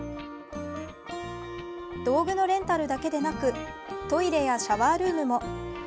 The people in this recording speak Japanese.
道具のレンタルだけでなくトイレやシャワールームも。